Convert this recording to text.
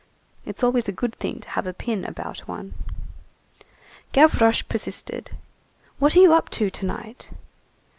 "It's always a good thing to have a pin about one." Gavroche persisted:— "What are you up to to night?"